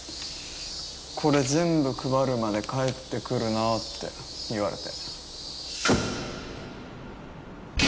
これ全部配るまで帰ってくるなって言われて。